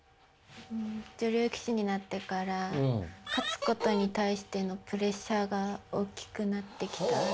女流棋士になってから勝つことに対してのプレッシャーが大きくなってきた。